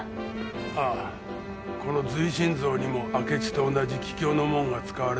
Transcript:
ああこの随身像にも明智と同じ桔梗の紋が使われてるんだよ。